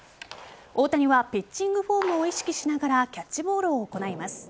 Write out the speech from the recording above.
大谷はピッチングフォームを意識しながらキャッチボールを行います。